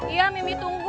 iya mimi tunggu